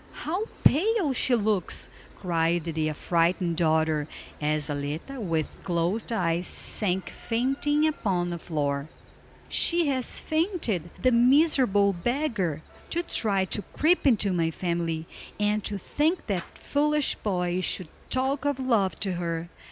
How pale she looks!" cried the affrighted daughter, as Zaletta with closed eyes sank fainting upon the floor. "She has fainted, the miserable beggar. To try to creep into my family, and to think that foolish boy should talk of love to her.